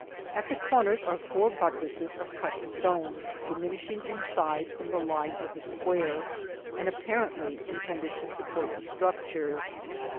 At the corners are four buttresses of cut stone, diminishing in size from the line of the square, and apparently intended to support the structure.